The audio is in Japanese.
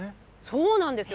そうなんですよ。